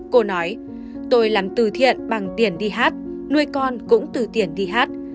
cô nói tôi làm từ thiện bằng tiền đi hát nuôi con cũng từ tiền đi hát